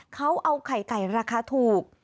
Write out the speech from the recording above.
เขาเอาไข่ไก่ราคาถูก